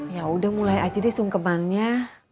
ya udah mulai aja deh sungkemannya